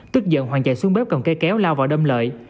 tức giận hoàng chạy xuống bếp cầm cây kéo lao vào đâm lợi